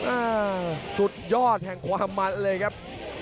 อ่าสุดยอดแห่งความมันเลยครับ